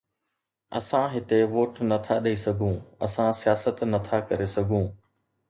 اسان هتي ووٽ نٿا ڏئي سگهون، اسان سياست نٿا ڪري سگهون